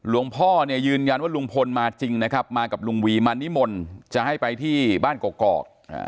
พ่อเนี่ยยืนยันว่าลุงพลมาจริงนะครับมากับลุงวีมานิมนต์จะให้ไปที่บ้านกอก